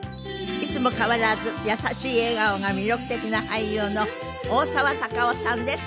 いつも変わらず優しい笑顔が魅力的な俳優の大沢たかおさんです。